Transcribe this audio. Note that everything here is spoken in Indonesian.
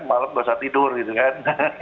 malam basah tidur gitu kan